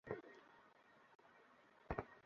পারস্য সৈন্যরা একটি সুউচ্চ পিচ্ছিল দূর্গে আশ্রয় নিল।